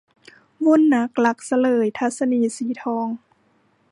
วุ่นนักรักซะเลย - ทัศนีย์ สีทอง